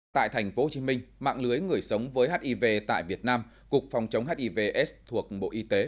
tại tp hcm mạng lưới người sống với hiv tại việt nam cục phòng chống hivs thuộc bộ y tế